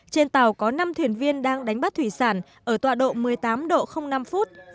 trên tàu có năm thuyền viên đang đánh bắt thủy sản ở tọa độ một mươi tám độ năm phút